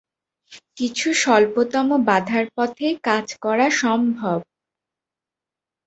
কিন্তু স্বল্পতম বাধার পথেই কাজ করা সম্ভব।